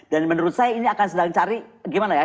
dan menurut saya ini akan sedang cari gimana ya